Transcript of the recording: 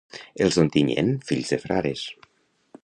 Els d'Ontinyent, fills de frares.